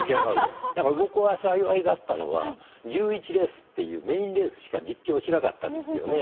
僕は幸いだったのは１１レースっていうメインレースしか実況しなかったんですよね。